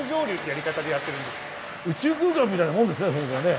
宇宙空間みたいなもんですねそれじゃね。